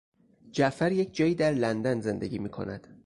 جعفر یک جایی در لندن زندگی میکند.